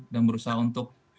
dan berusaha untuk